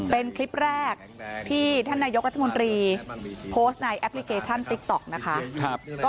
เป็นคลิปแรกที่แท่นายกรัฐมนีโพสต์ในแอปลิเกชชั่นติ๊กต็อก